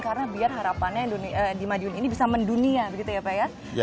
karena biar harapannya di madiun ini bisa mendunia begitu ya pak ya